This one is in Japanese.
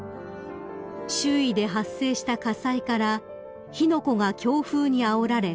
［周囲で発生した火災から火の粉が強風にあおられ飛び火］